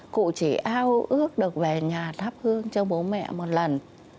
cụ chỉ ao ước được về nhà thắp hương cho bố mẹ một lần